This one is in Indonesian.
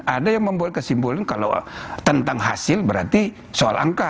ada yang membuat kesimpulan kalau tentang hasil berarti soal angka